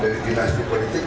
saya dari dinasti politik